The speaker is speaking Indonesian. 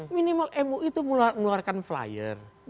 minimal mui itu mengeluarkan flyer